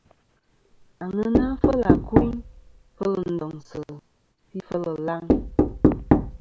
Aŋena fel àkuyn, fel ndoŋsɨ̀, fi fel ɨlaŋ.